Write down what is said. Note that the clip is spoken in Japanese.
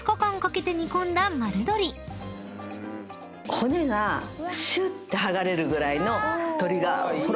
骨がシュッて剥がれるぐらいの鶏が。